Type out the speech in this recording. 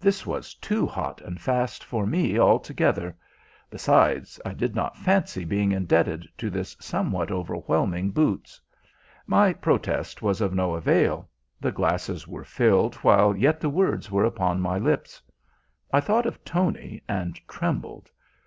This was too hot and fast for me altogether. Besides, I did not fancy being indebted to this somewhat overwhelming boots. My protest was of no avail. The glasses were filled while yet the words were upon my lips. I thought of Tony, and trembled.